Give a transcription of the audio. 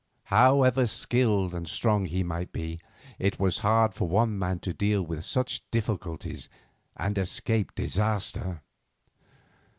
However skilled and strong he might be, it was hard for one man to deal with such difficulties and escape disaster.